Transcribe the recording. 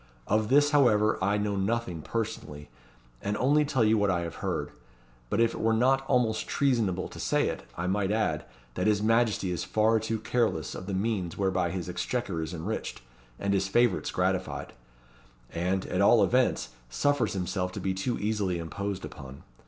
Of this, however, I know nothing personally, and only tell you what I have heard. But if it were not almost treasonable to say it, I might add, that his Majesty is far too careless of the means whereby his exchequer is enriched, and his favourites gratified; and, at all events, suffers himself to be too easily imposed upon.